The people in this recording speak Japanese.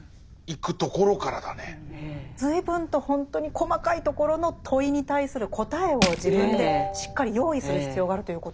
随分とほんとに細かいところの問いに対する答えを自分でしっかり用意する必要があるということですね。